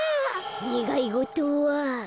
ねがいごとは。